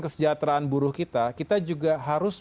kesejahteraan buruh kita kita juga harus